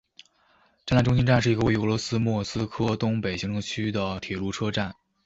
展览中心站是一个位于俄罗斯莫斯科东北行政区的铁路车站。